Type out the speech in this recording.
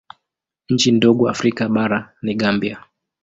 Nchi ndogo Afrika bara ni Gambia.